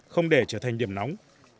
không để trở thành điểm nóng